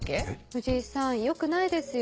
藤井さんよくないですよ。